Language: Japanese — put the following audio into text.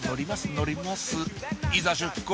乗りますいざ出港！